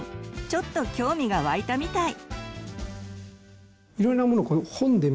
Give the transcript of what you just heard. ちょっと興味が湧いたみたい。